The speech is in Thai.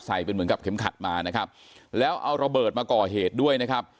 เป็นเหมือนกับเข็มขัดมานะครับแล้วเอาระเบิดมาก่อเหตุด้วยนะครับ